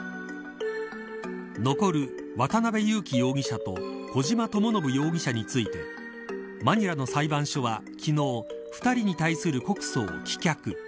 残る、渡辺優樹容疑者と小島智信容疑者についてマニラの裁判所は昨日２人に対する告訴を棄却。